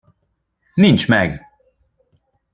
Nincs meg!